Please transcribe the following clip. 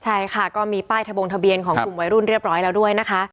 ใช่ค่ะก็มีป้ายทะบงทะเบียนของกลุ่มวัยรุ่นเรียบร้อยแล้วด้วยนะคะ